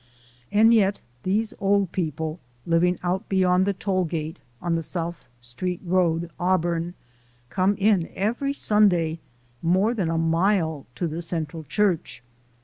And yet these old people, living out beyond the toll gate, on the South Street road, Auburn, come in every Sunday more than a mile to the Central Church.